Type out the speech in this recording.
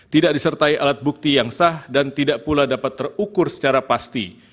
tidak disertai alat bukti yang sah dan tidak pula dapat terukur secara pasti